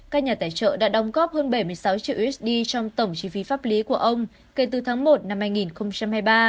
các nhà tài trợ đã đóng góp hơn bảy mươi sáu triệu usd trong tổng chi phí pháp lý của ông kể từ tháng một năm hai nghìn hai mươi ba